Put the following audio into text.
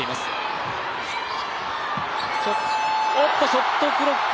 ショットクロック。